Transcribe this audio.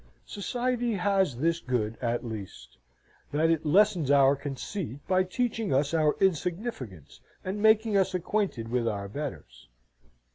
Society has this good at least: that it lessens our conceit, by teaching us our insignificance, and making us acquainted with our betters.